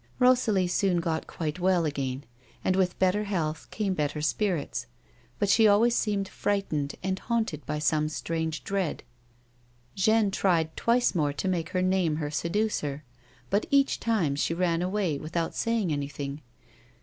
Rosahe soon got quite well again, and with better health came better spirits, but she always seemed frightened and haunted by some strange dread. Jeanne tried twice more to make her name her seducer, but each time she ran away, without saying anything.